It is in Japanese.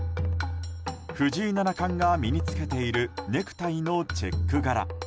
藤井七冠が身に着けているネクタイのチェック柄。